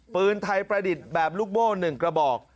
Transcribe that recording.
ปืนไทยประดิษฐ์แบบลูกโม่๑กระบอก